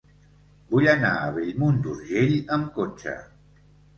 Vull anar a Bellmunt d'Urgell amb cotxe.